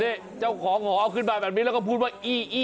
นี่เจ้าของหอเอาขึ้นมาแบบนี้แล้วก็พูดว่าอี้อี้